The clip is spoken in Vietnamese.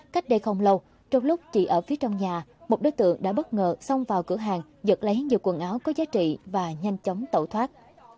cách đây không lâu trong lúc chỉ ở phía trong nhà một đối tượng đã bất ngờ xông vào cửa hàng giật lấy nhiều quần áo có giá trị và nhanh chóng tẩu thoát